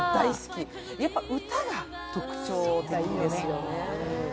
やっぱ歌が特徴ですよね。